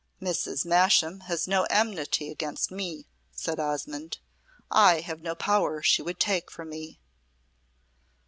"Mrs. Masham has no enmity against me," said Osmonde. "I have no power she would take from me."